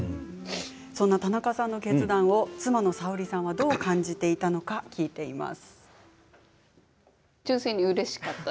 そんな田中さんの決断を妻の沙織さんはどう感じていたのか聞いています。